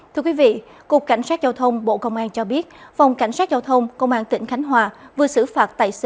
thưa quý vị cục cảnh sát giao thông bộ công an cho biết